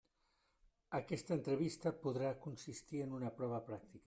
Aquesta entrevista podrà consistir en una prova pràctica.